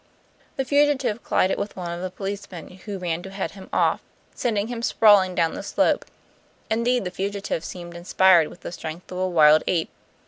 The fugitive collided with one of the policemen who ran to head him off, sending him sprawling down the slope; indeed, the fugitive seemed inspired with the strength of a wild ape.